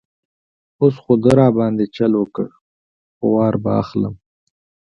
اوس خو ده را باندې چل وکړ، خو وار به اخلم.